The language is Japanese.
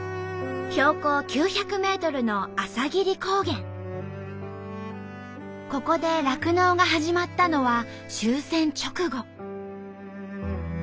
標高９００ｍのここで酪農が始まったのは終戦直後。